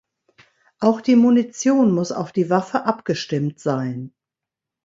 Auch die Munition muss auf die Waffe abgestimmt sein.